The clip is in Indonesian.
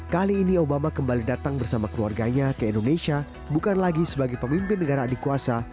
kali ini obama kembali datang bersama keluarganya ke indonesia bukan lagi sebagai pemimpin negara adik kuasa